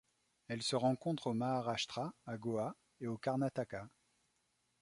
Elle se rencontre au Maharashtra, à Goa et au Karnataka.